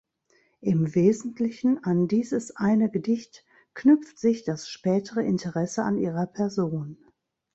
Im Wesentlichen an dieses eine Gedicht knüpft sich das spätere Interesse an ihrer Person.